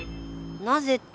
なぜって。